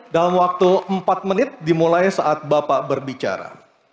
dalam waktu empat menit dimulai saat bapak berbicara